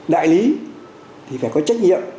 đại lý thì phải có trách nhiệm